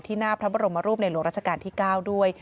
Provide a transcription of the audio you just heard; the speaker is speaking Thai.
หน้าพระบรมรูปในหลวงราชการที่๙ด้วย